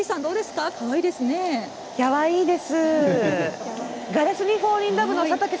かわいいです。